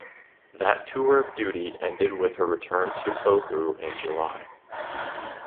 That tour of duty ended with her return to Oahu in July.